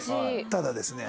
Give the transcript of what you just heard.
ただですね